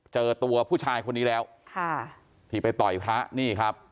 เจอตัวผู้ชายคนนี้แล้วค่ะที่ไปต่อยพระนี่ครับ